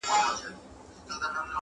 نه مي قسمت، نه مي سبا پر ژبه زېرئ لري؛